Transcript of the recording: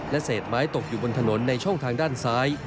เศษไม้ตกอยู่บนถนนในช่องทางด้านซ้าย